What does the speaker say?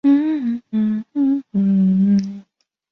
内战圆金星介为金星介科圆金星介属下的一个种。